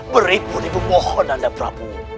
beribu ribu mohon nanda prabu